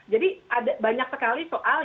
jadi banyak sekali soal